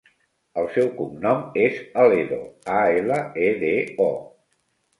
El seu cognom és Aledo: a, ela, e, de, o.